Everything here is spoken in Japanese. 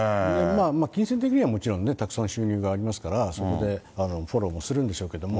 金銭的にはもちろんね、たくさん収入がありますから、そこでフォローもするんでしょうけれども。